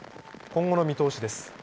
今後の見通しです。